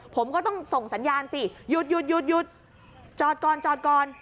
ผมก็ต้องส่งสัญญาณสิหยุดหยุดจอดก่อนจอดก่อน